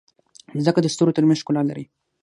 مځکه د ستورو ترمنځ ښکلا لري.